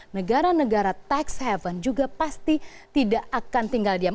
negara negara tax haven juga pasti tidak akan tinggal diam